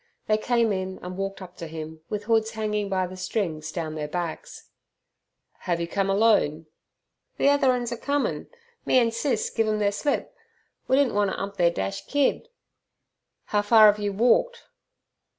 They came in and walked up to him, with hoods hanging by the strings down their backs. "Have you come alone?" "The ether uns er comin'. Me an' Sis giv' 'em ther slip; we didn' wanter 'ump ther dash kid." "How far have you walked?"